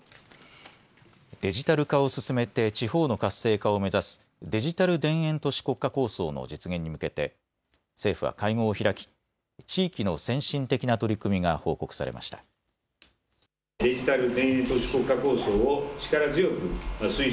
デジタル化を進めて地方の活性化を目指すデジタル田園都市国家構想の実現に向けて政府は会合を開き地域の先進的な取り組みが報告されました。